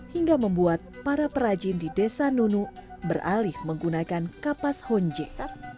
hingga membuat para perajin di desa nunuk beralih menggunakan kapas honje